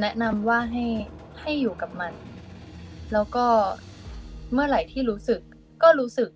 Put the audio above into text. แนะนำว่าให้ให้อยู่กับมันแล้วก็เมื่อไหร่ที่รู้สึกก็รู้สึก